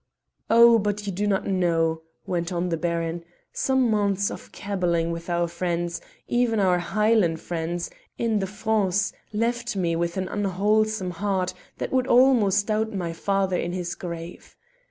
"Oh, but you do not know," went on the Baron. "Some months of caballing with our friends even our Hielan' friends in the France, left me with an unwholesome heart that would almost doubt my father in his grave.